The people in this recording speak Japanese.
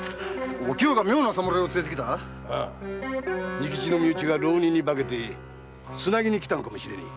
仁吉の身内が浪人に化けて“つなぎ”に来たのかもしれねえ。